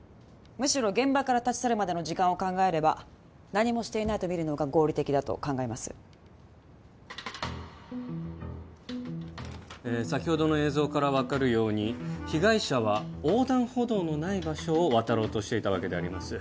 むしろ現場から立ち去るまでの時間を考えれば何もしていないとみるのが合理的だと考えますええ先ほどの映像から分かるように被害者は横断歩道のない場所を渡ろうとしていたわけであります